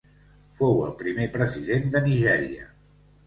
Fou el primer president de Nigèria.